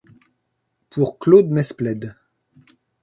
Pour Claude Mesplède,